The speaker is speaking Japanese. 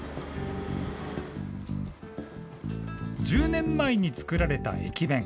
１０年前に作られた駅弁。